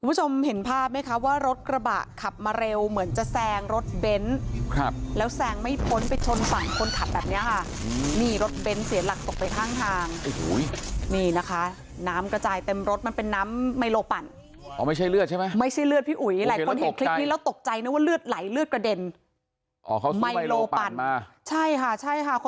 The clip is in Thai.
คุณผู้ชมเห็นภาพไหมคะว่ารถกระบะขับมาเร็วเหมือนจะแซงรถเบนท์ครับแล้วแซงไม่พ้นไปชนฝั่งคนขับแบบเนี้ยค่ะนี่รถเบ้นเสียหลักตกไปข้างทางโอ้โหนี่นะคะน้ำกระจายเต็มรถมันเป็นน้ำไมโลปั่นอ๋อไม่ใช่เลือดใช่ไหมไม่ใช่เลือดพี่อุ๋ยหลายคนเห็นคลิปนี้แล้วตกใจนะว่าเลือดไหลเลือดกระเด็นไมโลปั่นมาใช่ค่ะใช่ค่ะ